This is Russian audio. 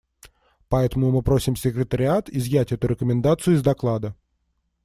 Поэтому мы просим Секретариат изъять эту рекомендацию из доклада.